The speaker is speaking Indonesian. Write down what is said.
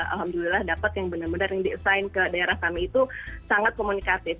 alhamdulillah dapat yang benar benar yang di assign ke daerah kami itu sangat komunikatif